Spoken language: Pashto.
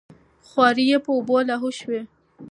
خواري یې په اوبو لاهو شوې وه.